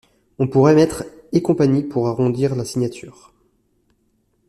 On pourrait mettre et compagnie pour arrondir la signature.